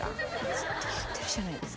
ずっと言ってるじゃないですか。